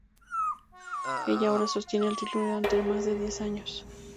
Ella ahora sostiene el título durante más de diez años.